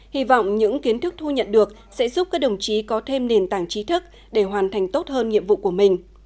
hy vọng những kiến thức thu nhận được sẽ giúp các đồng chí có thêm nền tảng trí thức để hoàn thành tốt hơn nhiệm vụ của mình